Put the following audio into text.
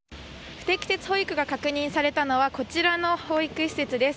不適切保育が確認されたのはこちらの保育施設です。